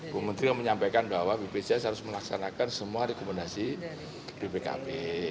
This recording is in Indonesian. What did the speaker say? bumentri menyampaikan bahwa bpjs harus melaksanakan semua rekomendasi bpkp